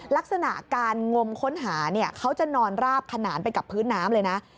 ลักษณะการงมค้นหาเนี่ยเขาจะนอนราบขนานไปกับพื้นน้ำเลยนะ